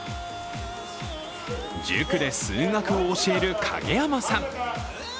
塾で数学を教える影山さん。